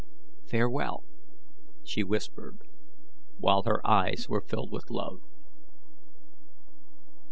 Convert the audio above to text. Farewell," she whispered, while her eyes were filled with love.